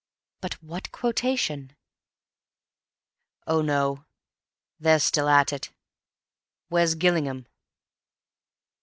But what quotation? "Oh, no. They're still at it. Where's Gillingham?"